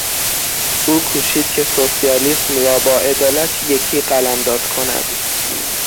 او کوشید که سوسیالیسم را با عدالت یکی قلمداد کند.